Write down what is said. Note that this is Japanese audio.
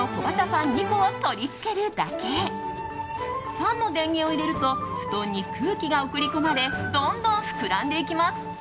ファンの電源を入れると布団に空気が送り込まれどんどん膨らんでいきます。